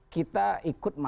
kita ikut masalah